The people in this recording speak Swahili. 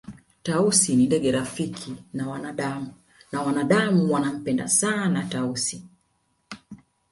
Tausi ni ndege rafiki na wanadamu na wanadamu wanampenda sana Tausi